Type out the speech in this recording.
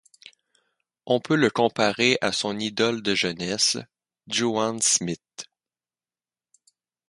On peut le comparer à son idole de jeunesse, Juan Smith.